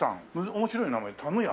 面白い名前たむや。